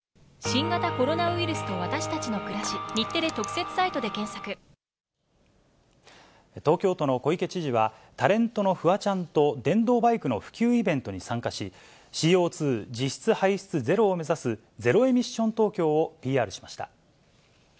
警察は、捜査に支障があるとして、臼井容疑者の認否を明らかにしていませ東京都の小池知事は、タレントのフワちゃんと電動バイクの普及イベントに参加し、ＣＯ２実質排出ゼロを目指すゼロエミッション東京をＰＲしました。